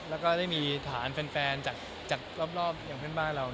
แล้วก็ได้มีฐานแฟนจากรอบอย่างเพื่อนบ้านเรา